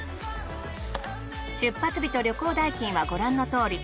出発日と旅行代金はご覧のとおり。